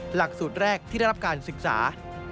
หลักสูตรแรกที่ได้รับการศึกษา